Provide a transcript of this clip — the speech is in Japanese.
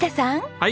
はい！